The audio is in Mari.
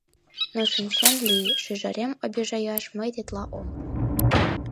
— Но шинчен лий: шӱжарем обижаяш мый тетла ом пу.